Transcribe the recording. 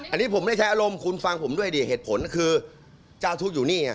อันนี้ผมไม่ได้ใช้อารมณ์คุณฟังผมด้วยดิเหตุผลคือเจ้าทุกข์อยู่นี่ไง